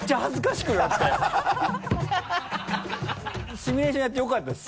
シミュレーションやってよかったです